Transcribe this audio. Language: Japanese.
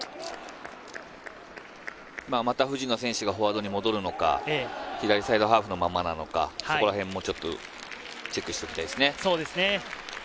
また藤野選手がフォワードに戻るのか、左サイドハーフのままなのか、そこらへんもちょっとチェックしておきたいですね。